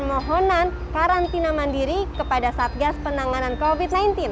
permohonan karantina mandiri kepada satgas penanganan covid sembilan belas